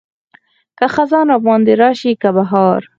که خزان راباندې راشي که بهار.